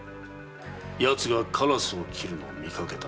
奴がカラスを斬るのを見かけた。